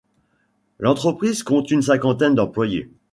L'entreprise compte une cinquantaine d'employés.